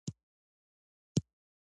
خو د هغه مرګ په اړه جنرال